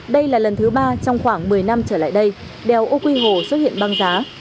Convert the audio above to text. đây là lần thứ ba trong khoảng một mươi năm trở lại đây đèo oq hồ xuất hiện băng giá